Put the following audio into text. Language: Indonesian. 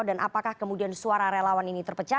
dan apakah kemudian suara relawan ini terpecah